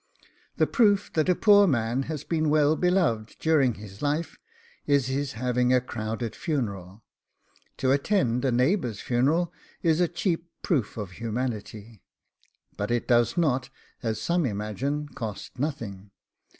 The proof that a poor man has been well beloved during his life is his having a crowded funeral. To attend a neighbour's funeral is a cheap proof of humanity, but it does not, as some imagine, cost nothing.